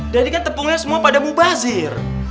jadi kan tepungnya semua pada mubazir